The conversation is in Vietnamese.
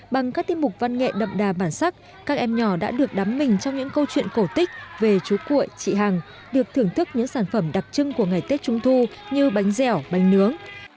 bằng các tiết mục văn nghệ đậm đà bản sắc các em nhỏ đã được đắm mình trong những câu chuyện cổ tích về chú cuội chị hằng được thưởng thức những sản phẩm đặc trưng của ngày tết trung thu như bánh dẻo bánh nướng